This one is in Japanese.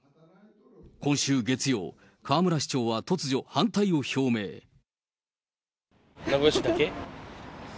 今週月曜、名古屋市だけ？